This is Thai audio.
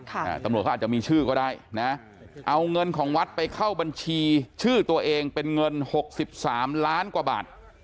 ตำรวจเขาอาจจะมีชื่อก็ได้นะเอาเงินของวัดไปเข้าบัญชีชื่อตัวเองเป็นเงินหกสิบสามล้านกว่าบาท